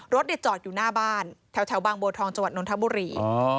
รถจอดอยู่หน้าบ้านแถวบางโบทองจนธบุรี